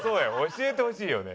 教えてほしいよね。